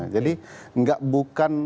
jadi gak bukan